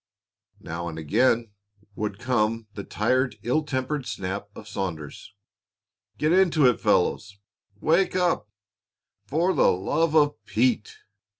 Now and again would come the tired, ill tempered snap of Saunders's "Get into it, fellows! Wake up, for the love of Pete!"